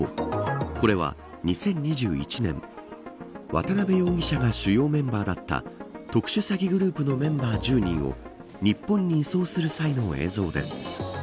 これは、２０２１年渡辺容疑者が主要メンバーだった特殊詐欺グループのメンバー１０人を日本に移送する際の映像です。